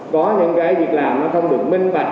có những cái việc làm nó không được minh bạch